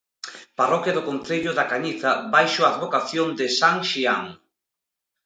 Parroquia do concello da Cañiza baixo a advocación de san Xián.